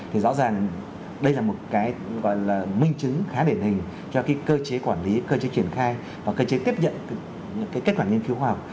thì rõ ràng đây là một cái gọi là minh chứng khá điển hình cho cái cơ chế quản lý cơ chế triển khai và cơ chế tiếp nhận những cái kết quả nghiên cứu khoa học